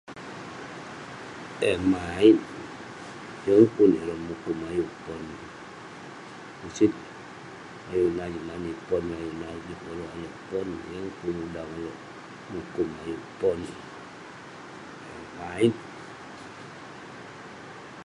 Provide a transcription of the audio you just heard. Eh mait! Yeng pun ireh mukun ayuk pon. Ucit. Ayuk nah juk mani pon ayuh nah juk koluk alek pon. Yeng pun udang uleuk mukun ayuk pon. Eh mait!